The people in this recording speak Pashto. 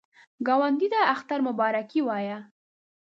ګاونډي ته د اختر مبارکي ووایه